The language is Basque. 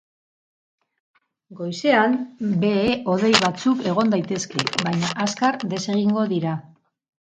Goizean behe-hodei batzuk egon daitezke, baina azkar desegingo dira.